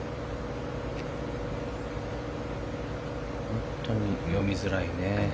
本当に読みづらいね。